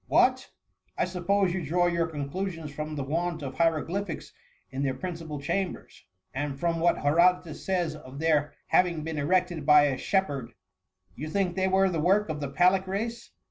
"What! I suppose you draw your conclu sions from the want of hieroglyphics in their principal chambers ; and, from what Herodotus says of their having been erected by a shep herd, you think they were the work of the Pallic raJce."